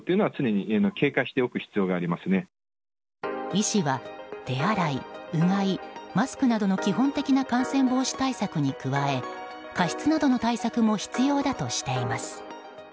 医師は手洗い・うがい・マスクなどの基本的な感染防止対策に加え加湿などの対策も必要だとしています。